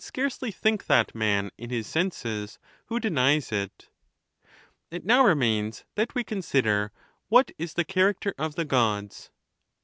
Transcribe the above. scarcely think that man in his senses who denies it. XVII. It now remains that we consider what is the character of the Gods.